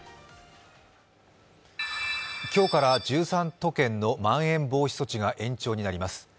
今日から１３都県のまん延防止措置が延長になります。